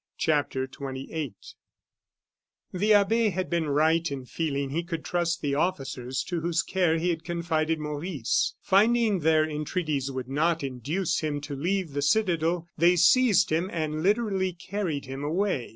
CHAPTER XXVIII The abbe had been right in feeling he could trust the officers to whose care he had confided Maurice. Finding their entreaties would not induce him to leave the citadel, they seized him and literally carried him away.